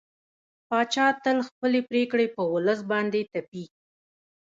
پاچا تل خپلې پرېکړې په ولس باندې تپي.